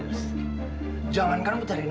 apa yang kamu lakukan disini